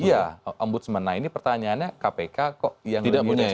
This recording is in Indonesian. iya om budsman nah ini pertanyaannya kpk kok yang lebih resiko tidak punya